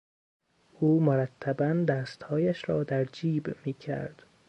او مرتبا دستهایش را در جیب میکرد.